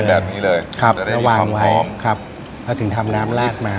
ได้แบบนี้เลยครับจะได้ได้ความพร้อมครับถ้าถึงทำน้ำลากมา